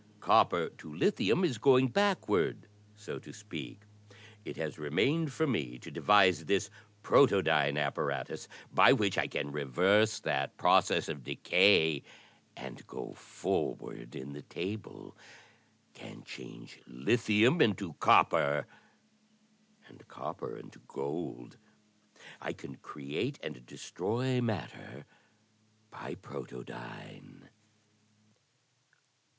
Copper to lithium is going backward, so to speak. It has remained for me to devise this protodyne apparatus by which I can reverse that process of decay and go forward in the table, — can change lithium into copper and copper into gold. I can create and destroy matter by protodyne."